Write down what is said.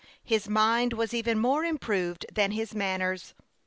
His mind was even more improved than his manners.